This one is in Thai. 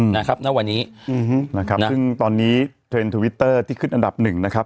นะครับณวันนี้อืมนะครับซึ่งตอนนี้เทรนด์ทวิตเตอร์ที่ขึ้นอันดับหนึ่งนะครับ